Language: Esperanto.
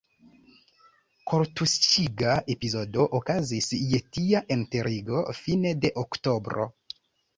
Kortuŝiga epizodo okazis je tia enterigo fine de Oktobro.